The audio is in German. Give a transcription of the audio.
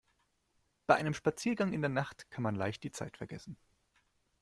Bei einem Spaziergang in der Nacht kann man leicht die Zeit vergessen.